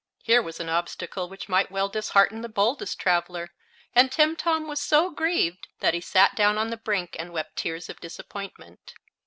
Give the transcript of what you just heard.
Here was an obstacle which might well dishearten the boldest traveler, and Timtom was so grieved that he sat down on the brink and wept tears of disappointment.